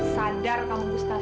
sadar kamu gustaf